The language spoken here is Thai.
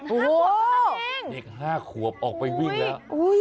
๕ควบนั่นเองโอ้โฮอีก๕ควบออกไปวิ่งแล้ว